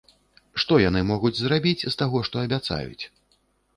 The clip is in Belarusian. Што яны могуць зрабіць з таго, што абяцаюць?